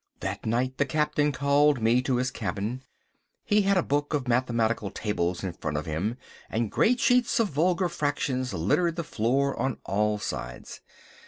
That night the Captain called me to his cabin. He had a book of mathematical tables in front of him, and great sheets of vulgar fractions littered the floor on all sides.